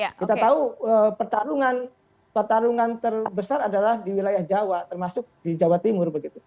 kita tahu pertarungan terbesar adalah di wilayah jawa termasuk di jawa timur begitu